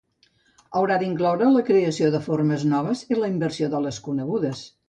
Haurà d'incloure la creació de formes noves i la inversió de les conegudes.